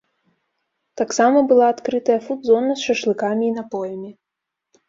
Таксама была адкрытая фуд-зона з шашлыкамі і напоямі.